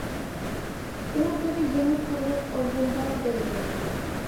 ئۇ «بىر يېڭى كارىۋات ئالغۇم بار» ، دەيدۇ.